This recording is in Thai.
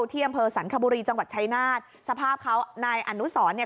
ที่อำเภอสรรคบุรีจังหวัดชายนาฏสภาพเขานายอนุสรเนี่ย